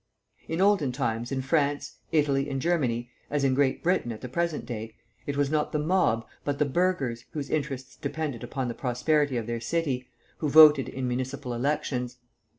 In olden times, in France, Italy, and Germany (as in Great Britain at the present day), it was not the mob, but the burghers, whose interests depended upon the prosperity of their city, who voted in municipal elections.